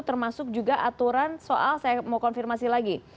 termasuk juga aturan soal saya mau konfirmasi lagi